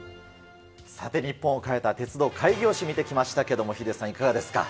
さて、日本を変えた鉄道開業史、見てきましたけれども、ヒデさん、いかがですか。